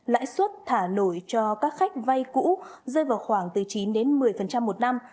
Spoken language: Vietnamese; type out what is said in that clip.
lãi suất thả nổi cho các khách vay cũ rơi vào khoảng từ chín một mươi một năm